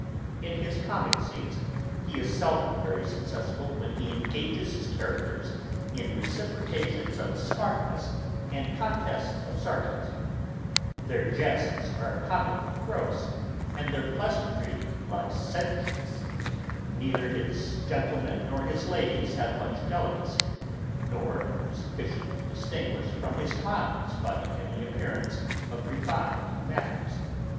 In his comick scenes he is seldom very successful, when he engages his characters in reciprocations of smartness and contests of sarcasm; their jests are commonly gross, and their pleasantry licentious; neither his gentlemen nor his ladies have much delicacy, nor are sufficiently distinguished from his clowns by any appearance of refined manners.